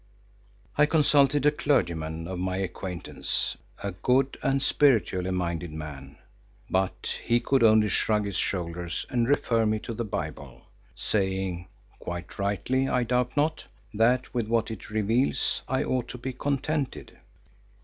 I consulted a clergyman of my acquaintance, a good and spiritually minded man, but he could only shrug his shoulders and refer me to the Bible, saying, quite rightly I doubt not, that with what it reveals I ought to be contented.